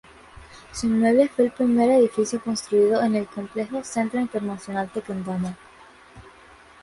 Su inmueble fue el primer edificio construido en el complejo Centro Internacional Tequendama.